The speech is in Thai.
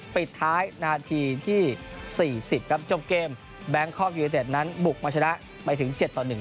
ปิดท้ายนาทีที่๔๐ครับจบเกมแบงคอกยูเนเต็ดนั้นบุกมาชนะไปถึง๗ต่อ๑